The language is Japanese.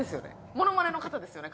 ものまねの方ですよね？